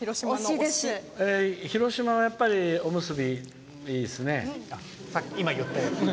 広島は、やっぱりおむすびですね。